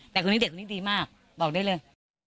แต่คนนี้เด็กคนนี้ดีมากบอกได้เลย